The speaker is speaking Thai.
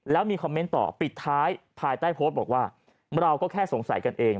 แล้วมีคอมเมนต์ต่อปิดท้ายภายใต้โพสต์บอกว่าเราก็แค่สงสัยกันเอง